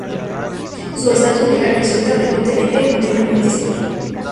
Su estatus legal resulta frecuentemente un tema muy discutido.